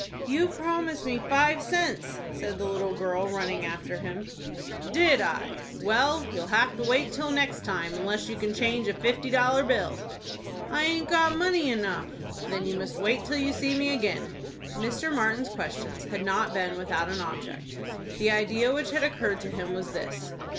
"You promised me five cents," said the little girl, running after him. "Did I? Well, you'll have to wait till next time, unless you can change a fifty dollar bill." "I aint got money enough." "Then you must wait till you see me again." Mr. Martin's questions had not been without an object. The idea which had occurred to him was this.